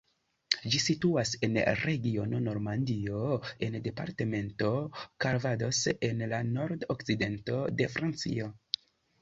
Ĝi situas en regiono Normandio en departemento Calvados en la nord-okcidento de Francio.